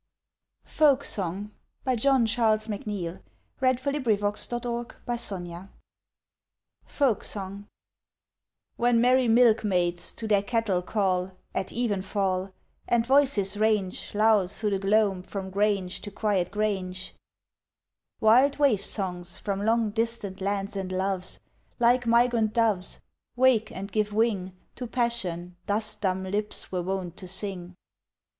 who grasps his iron bars And stares out into depth on depth of stars! Folk Song When merry milkmaids to their cattle call At evenfall And voices range Loud through the gloam from grange to quiet grange, Wild waif songs from long distant lands and loves, Like migrant doves, Wake and give wing To passion dust dumb lips were wont to sing.